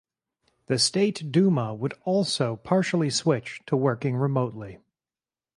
The State Duma would also partially switch to working remotely.